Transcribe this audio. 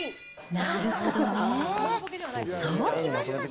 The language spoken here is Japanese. なるほどね。